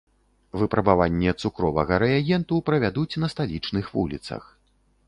Выпрабаванне цукровага рэагенту правядуць на сталічных вуліцах.